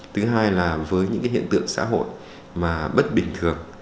thứ hai là với những cái hiện tượng xã hội mà bất bình thường